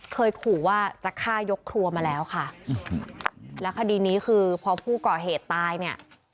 เคยขู่ว่าจะฆ่ายกครัวมาแล้วค่ะแล้วคดีนี้คือพอผู้ก่อเหตุตายเนี่ย